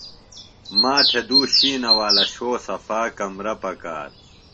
ما تھےۡ دُو شِینہ والہ شو صفا کمرہ پکار۔